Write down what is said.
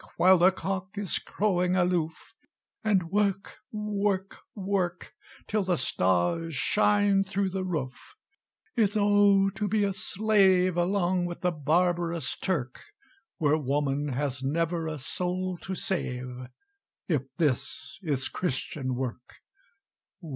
While the cock is crowing aloof! And work work work, Till the stars shine through the roof! It's Oh! to be a slave Along with the barbarous Turk, Where woman has never a soul to save, If this is Christian work!